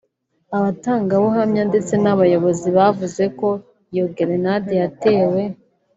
Abatangabuhamya ndetse n’abayobozi bavuze ko iyo gerenade yatewe